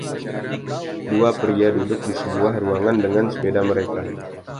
Dua pria duduk di sebuah ruangan dengan sepeda mereka.